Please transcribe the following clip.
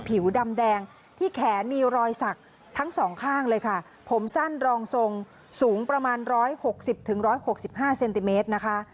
ผิวดำแดงที่แขนมีรอยสักทั้งสองข้างเลยค่ะผมสั้นรองทรงสูงประมาณ๑๖๐๑๖๕เซนติเมตรนะคะ